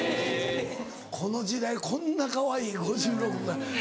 この時代こんなかわいい５６が。